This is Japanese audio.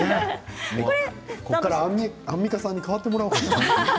ここからアンミカさんに代わってもらおうかな。